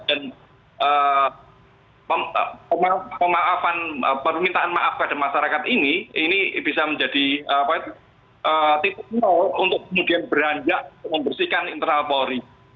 dan permintaan maaf pada masyarakat ini bisa menjadi tipu nol untuk beranjak membersihkan internal polri